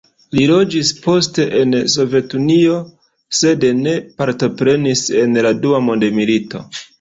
Li loĝis poste en Sovetunio, sed ne partoprenis en la Dua Mondmilito.